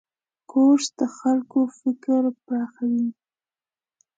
کورس د خلکو فکر پراخوي.